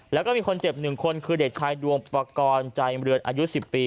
แล้วก็มีคนเจ็บ๑คนคือเด็กชายดวงปกรณ์ใจเมืองอายุ๑๐ปี